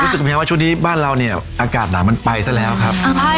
เพียงว่าช่วงนี้บ้านเราเนี่ยอากาศหนาวมันไปซะแล้วครับ